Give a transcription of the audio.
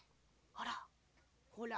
あらほら。